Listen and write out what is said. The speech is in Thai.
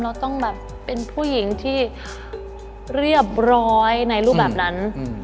เราต้องแบบเป็นผู้หญิงที่เรียบร้อยในรูปแบบนั้น